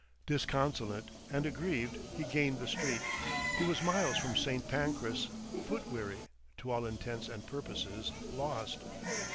Disconsolate and aggrieved, he gained the street. He was miles from St. Pancras, foot weary, to all intents and purposes lost.